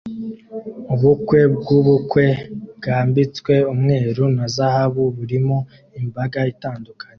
Ubukwe bwubukwe bwambitswe umweru na zahabu burimo imbaga itandukanye